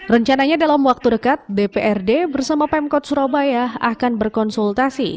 rencananya dalam waktu dekat dprd bersama pemkot surabaya akan berkonsultasi